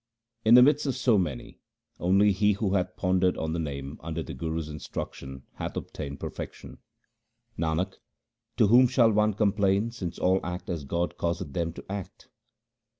In the midst of so many, only he who hath pondered on the Name under the Guru's instruction hath obtained perfection. Nanak, to whom shall one complain since all act as God causeth them to act